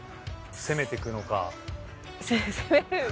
攻めてくのか。